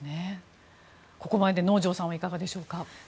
ここまでで能條さんはいかがでしょうか？